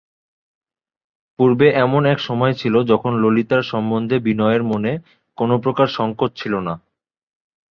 পূর্বে এমন এক সময় ছিল যখন ললিতার সম্বন্ধে বিনয়ের মনে কোনোপ্রকার সংকোচ ছিল না।